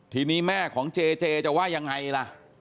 ทีนี้แม่ของเจเจจะว่ายังไงล่ะ